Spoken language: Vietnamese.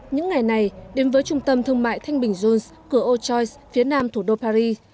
những ngày này đến với trung tâm thương mại thanh bình juns cửa old choice phía nam thủ đô paris